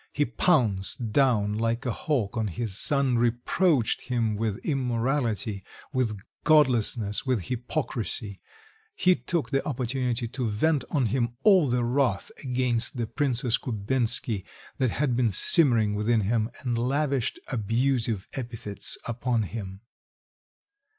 He pounced down like a hawk on his son, reproached him with immorality, with godlessness, with hypocrisy; he took the opportunity to vent on him all the wrath against the Princess Kubensky that had been simmering within him, and lavished abusive epithets upon him.